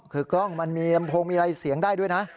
คือกล้องมันมีลำโพงมีอะไรเสียงได้ด้วยนะ